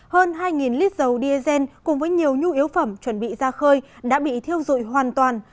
hơn hai lít dầu diesel cùng với nhiều nhu yếu phẩm chuẩn bị ra khơi đã bị thiêu dụi hoàn toàn